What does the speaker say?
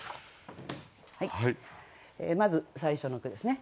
まず最初の句ですね。